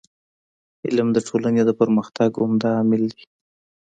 علم د ټولني د پرمختګ عمده عامل دی.